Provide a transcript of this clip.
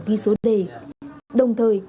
ghi số đề đồng thời